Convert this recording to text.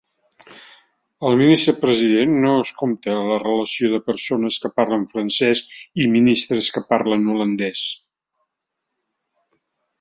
El Ministre-President no es compte a la relació de persones que parlen francès i ministres que parlen holandès.